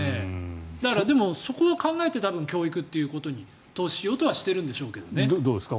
でも、そこを考えて教育というところに投資しようとはしてるんでしょうけどね。